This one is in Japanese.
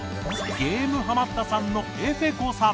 ゲームハマったさんのえふぇ子さん。